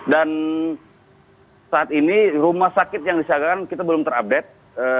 dan saat ini rumah sakit yang disiagakan kita belum terupdate